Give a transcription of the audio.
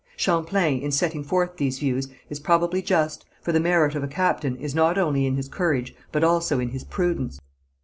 Champlain, in setting forth these views, is probably just, for the merit of a captain is not only in his courage, but also in his prudence.